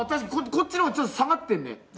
こっちのほうが下がってんね。